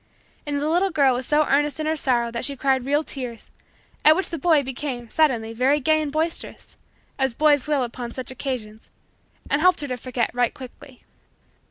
And the little girl was so earnest in her sorrow that she cried real tears at which the boy became, suddenly, very gay and boisterous, as boys will upon such occasions, and helped her to forget right quickly.